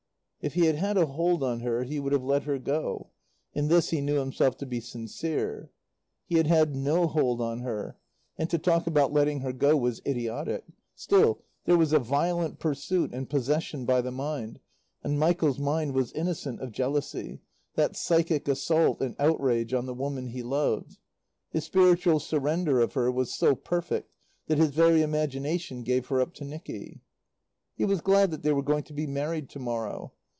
If he had had a hold on her he would have let her go. In this he knew himself to be sincere. He had had no hold on her, and to talk about letting her go was idiotic; still, there was a violent pursuit and possession by the mind and Michael's mind was innocent of jealousy, that psychic assault and outrage on the woman he loved. His spiritual surrender of her was so perfect that his very imagination gave her up to Nicky. He was glad that they were going to be married tomorrow.